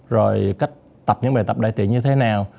rồi cách tập những bài tập đại tiện như thế nào